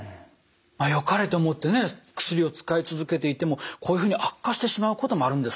よかれと思ってね薬を使い続けていてもこういうふうに悪化してしまうこともあるんですね。